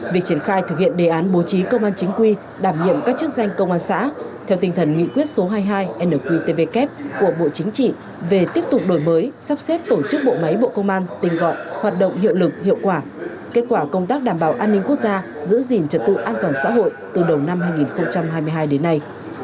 việc triển khai thực hiện đề án bố trí công an chính quy đảm nhiệm các chức danh công an xã theo tinh thần nghị quyết số hai mươi hai nqtvk của bộ chính trị về tiếp tục đổi mới sắp xếp tổ chức bộ máy bộ công an tình gọn hoạt động hiệu lực hiệu quả kết quả công tác đảm bảo an ninh quốc gia giữ gìn trật tự an toàn xã hội từ đầu năm hai nghìn hai mươi hai đến nay